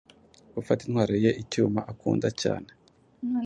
Gufata intwaro ye icyuma akunda cyane